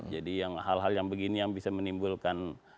jadi yang hal hal yang begini yang bisa menimbulkan